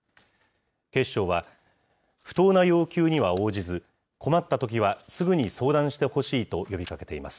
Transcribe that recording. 警視庁は、不当な要求には応じず、困ったときはすぐに相談してほしいと呼びかけています。